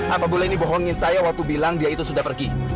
apa boleh ini bohongin saya waktu bilang dia itu sudah pergi